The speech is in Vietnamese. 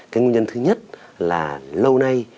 cái nguyên nhân thứ nhất là lâu nay